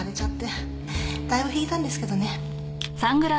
だいぶ引いたんですけどね。